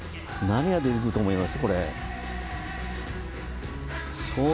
何が出てくると思います？